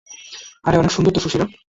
আরে অনেক সুন্দর তো, সুশীলা।